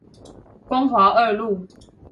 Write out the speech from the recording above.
光華二路